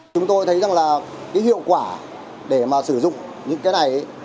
chúng tôi thấy rằng là cái hiệu quả để mà sử dụng những cái này